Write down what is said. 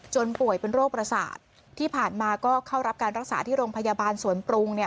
ป่วยเป็นโรคประสาทที่ผ่านมาก็เข้ารับการรักษาที่โรงพยาบาลสวนปรุงเนี่ย